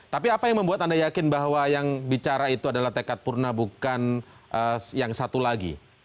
tapi apa yang membuat anda yakin bahwa yang bicara itu adalah tekad purna bukan yang satu lagi